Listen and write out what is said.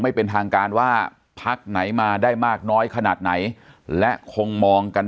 ไม่เป็นทางการว่าพักไหนมาได้มากน้อยขนาดไหนและคงมองกัน